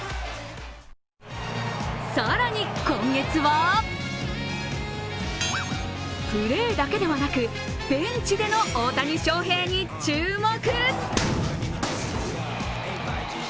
更に今月はプレーだけではなく、ベンチでの大谷翔平に注目。